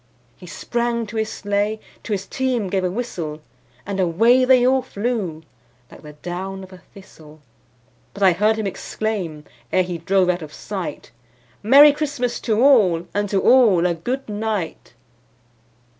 He sprang to his sleigh, to his team gave a whistle, And away they all flew like the down of a thistle; But I heard him exclaim, ere he drove out of sight, "Merry Christmas to all, and to all a good night!"